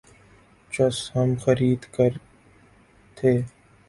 چس ہم خرید کر تھے